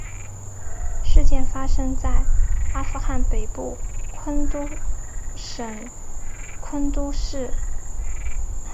事件发生在阿富汗北部昆都士省昆都士市。